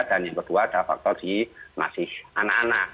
dan yang kedua ada faktor di nasih anak anak